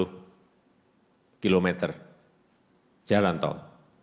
kita telah membangun tujuh ratus delapan puluh km jalan tol